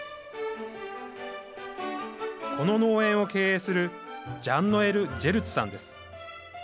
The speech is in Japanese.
この農園を経営するジャンノエル・ジェルツさんです。